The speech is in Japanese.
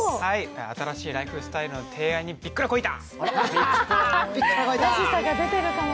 新しいライフスタイルの提案にびっくらこいた！